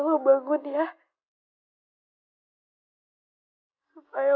tuanku yang semua